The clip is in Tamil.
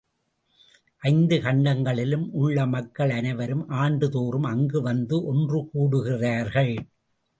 ஐந்து கண்டங்களிலும் உள்ள மக்கள் அனைவரும் ஆண்டுதோறும் அங்கு வந்து ஒன்று கூடுகிறார்கள்.